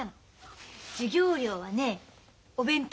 授業料はねお弁当。